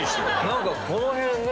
何かこの辺ね。